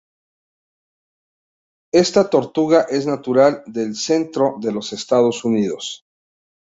Esta tortuga es natural del centro de los Estados Unidos.